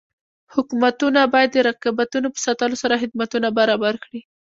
حکومتونه باید د رقابتونو په ساتلو سره خدمتونه برابر کړي.